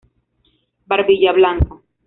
Barbilla blanca.